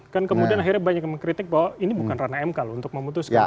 kan kemudian akhirnya banyak yang mengkritik bahwa ini bukan rana mk loh untuk memutuskan